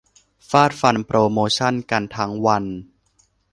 ฟาดฟันโปรโมชั่นกันทั้งวัน